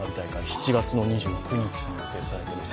７月２９日に予定されています。